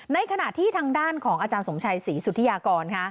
ในขณะที่ทางด้านของอาจารย์สมชัยศรีสุธิยากร